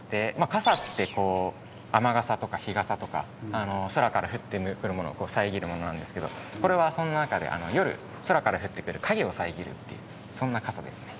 傘ってこう雨傘とか日傘とか空から降ってくるものを遮るものなんですけどこれはその中で夜空から降ってくる影を遮るっていうそんな傘ですね。